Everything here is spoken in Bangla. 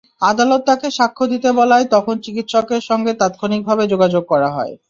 আদালত তাঁকে সাক্ষ্য দিতে বলায় তখন চিকিৎসকের সঙ্গে তাৎক্ষণিকভাবে যোগাযোগ করা হয়।